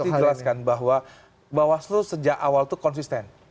harus dijelaskan bahwa bawaslu sejak awal itu konsisten